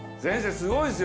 すごいっすよ。